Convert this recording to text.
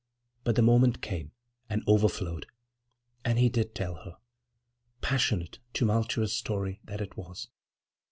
But the moment came, and overflowed, and he did tell her—passionate, tumultuous story that it was.